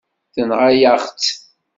Tenɣa-yaɣ-tt.